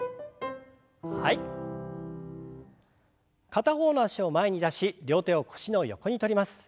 片方の脚を前に出し両手を腰の横に取ります。